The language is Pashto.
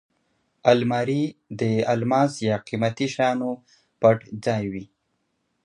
الماري د الماس یا قېمتي شیانو پټ ځای وي